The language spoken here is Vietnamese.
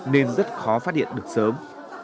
nên rất khó phát hiện được sớm